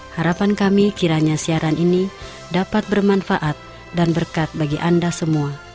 harapan kami kiranya siaran ini dapat bermanfaat dan berkat bagi anda semua